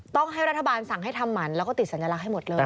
ต้องให้รัฐบาลสั่งให้ทำหมันแล้วก็ติดสัญลักษณ์ให้หมดเลย